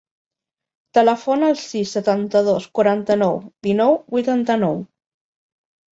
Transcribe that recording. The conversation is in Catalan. Telefona al sis, setanta-dos, quaranta-nou, dinou, vuitanta-nou.